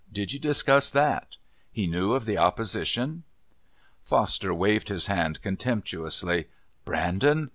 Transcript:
Did you discuss that? He knew of the opposition?" Foster waved his hand contemptuously. "Brandon?